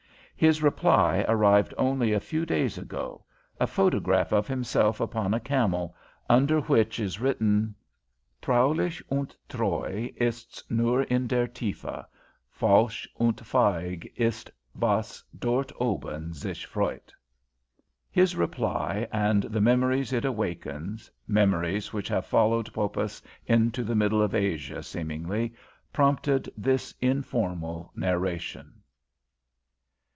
His reply arrived only a few days ago; a photograph of himself upon a camel, under which is written: Traulich und Treu ist's nur in der Tiefe: falsch und feig ist was dort oben sich freut! His reply, and the memories it awakens memories which have followed Poppas into the middle of Asia, seemingly, prompted this informal narration.